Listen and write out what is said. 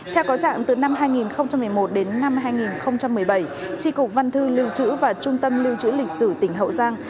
theo có trạng từ năm hai nghìn một mươi một đến năm hai nghìn một mươi bảy tri cục văn thư lưu trữ và trung tâm lưu trữ lịch sử tỉnh hậu giang